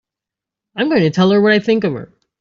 I'm going to tell her what I think of her!